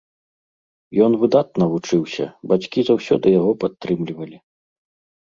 Ён выдатна вучыўся, бацькі заўсёды яго падтрымлівалі.